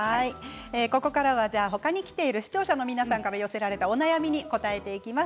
ここからは他にきている視聴者の皆さんから寄せられたお悩みに答えていきます。